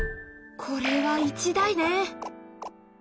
これは一大事ね！